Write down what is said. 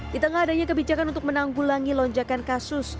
di tengah adanya kebijakan untuk menanggulangi lonjakan kasus